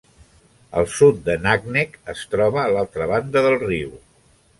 El sud de Naknek es troba a l'altra banda del riu.